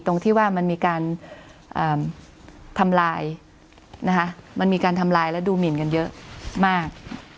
ตรงที่ว่ามันมีการทำลายนะคะมันมีการทำลายและดูหมินกันเยอะมาก